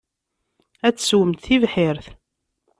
Ad tesswemt tibḥirt.